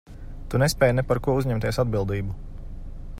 Tu nespēj ne par ko uzņemties atbildību.